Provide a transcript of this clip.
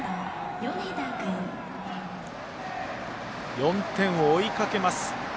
４点を追いかけます。